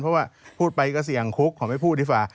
เพราะว่าพูดไปก็เสี่ยงคุกขอไม่พูดดีกว่า